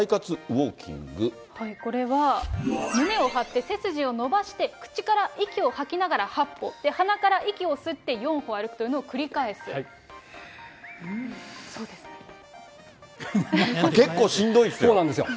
これは胸を張って背筋を伸ばして、口から息を吐きながら８歩、鼻から息を吸って４歩歩くという結構しんどいですよ。